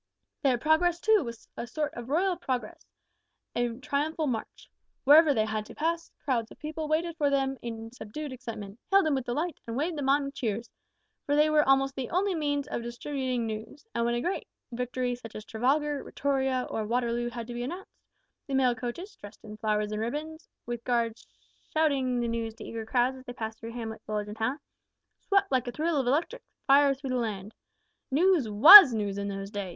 "Their progress, too, was a sort of royal progress a triumphal march. Wherever they had to pass, crowds of people waited for them in subdued excitement, hailed them with delight, and waved them on with cheers, for they were almost the only means of distributing news; and when a great victory, such as Trafalgar, Vittoria, or Waterloo had to be announced, the mail coaches dressed in flowers and ribbons, with guards shouting the news to eager crowds as they passed through hamlet, village, and town swept like a thrill of electric fire throughout the land. News was news in those days!